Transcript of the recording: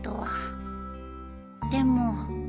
でも。